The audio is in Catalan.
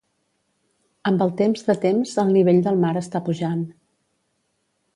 Amb el temps de temps el nivell del mar està pujant.